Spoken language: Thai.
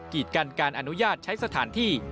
ีดกันการอนุญาตใช้สถานที่